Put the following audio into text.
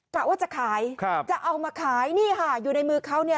กะว่าจะขายครับจะเอามาขายนี่ค่ะอยู่ในมือเขาเนี่ย